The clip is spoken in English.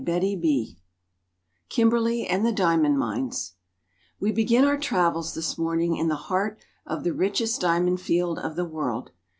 KIMBERLEY AND THE DIAMOND MINES •. f WE begin our travels this morning in the heart of the richest diamond field of the world.